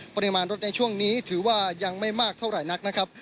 ปริมาณรถในช่วงนี้ถือว่ายังไม่มากเท่าไหร่นักนะครับ